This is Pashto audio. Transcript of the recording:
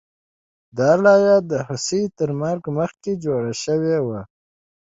دا لایه د هوسۍ تر مرګ مخکې جوړه شوې وه